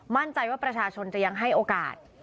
มั่นใจว่าประชาชนจะยังให้โอกาส